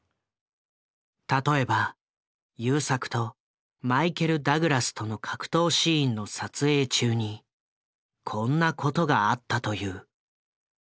例えば優作とマイケル・ダグラスとの格闘シーンの撮影中にこんなことがあったという。